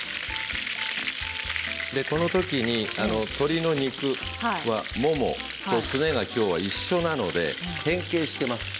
このときに、鶏肉はももとすねがきょう一緒なので変形しています。